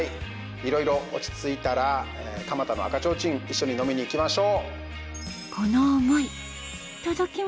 いろいろ落ち着いたら蒲田の赤提灯一緒に飲みに行きましょう。